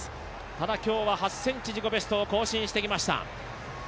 ただ今日は８ｃｍ自己ベストを更新してきました。